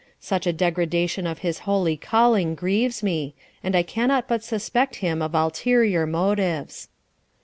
Such a degradation of his holy calling grieves me, and I cannot but suspect him of ulterior motives.